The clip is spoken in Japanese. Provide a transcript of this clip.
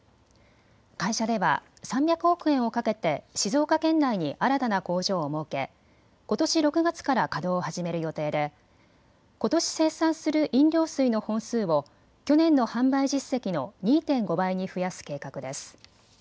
会社では３００億円をかけて静岡県内に新たな工場を設けことし６月から稼働を始める予定でことし生産する飲料水の本数を去年の販売実績の２．５倍に増やす計画です。